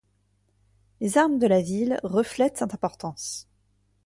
Les armes de la ville reflètent cette importance.